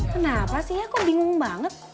kenapa sih ya kok bingung banget